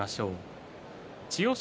千代翔